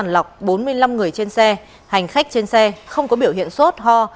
lọc bốn mươi năm người trên xe hành khách trên xe không có biểu hiện sốt ho